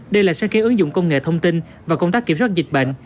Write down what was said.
đây là sáng kiến ứng dụng công nghệ thông tin và công tác kiểm soát dịch bệnh